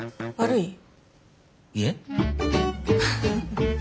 いえ。